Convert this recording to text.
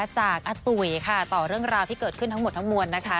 อาตุ๋ยค่ะต่อเรื่องราวที่เกิดขึ้นทั้งหมดทั้งมวลนะคะ